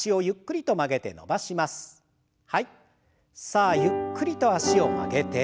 さあゆっくりと脚を曲げて。